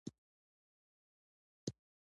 وروستی چکر په ښار کې وهم.